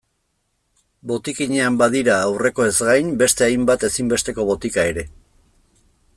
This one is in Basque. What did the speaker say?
Botikinean badira, aurrekoez gain, beste hainbat ezinbesteko botika ere.